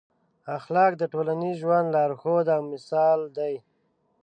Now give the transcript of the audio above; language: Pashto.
اخلاق د ټولنیز ژوند لارښود او مشال دی.